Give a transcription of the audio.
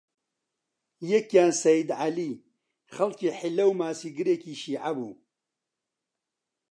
یەکیان سەیید عەلی، خەڵکی حیللە و ماسیگرێکی شیعە بوو